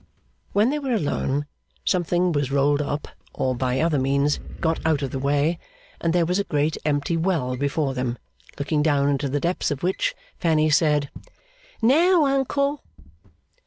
When they were alone, something was rolled up or by other means got out of the way, and there was a great empty well before them, looking down into the depths of which Fanny said, 'Now, uncle!